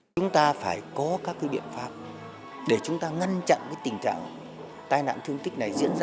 chúng ta phải có các biện pháp để chúng ta ngăn chặn tình trạng tai nạn thương tích